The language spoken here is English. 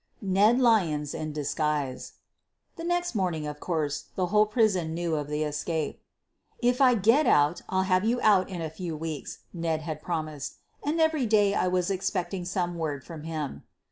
NED LYONS IN DISGUISE The next morning, of course, the whole prison knew of the escape. "If I get out I'll have you out in a few weeks,' f Ned had promised, and every day I was expecting some word from him.